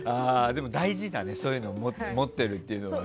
でも大事だねそういうのを持ってるのは。